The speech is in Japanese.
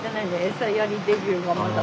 餌やりデビューもまだ。